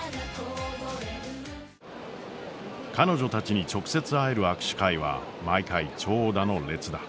彼女たちに直接会える握手会は毎回長蛇の列だ。